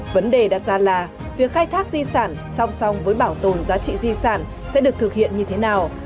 vấn đề đặt ra là việc khai thác di sản song song với bảo tồn giá trị di sản sẽ được thực hiện như thế nào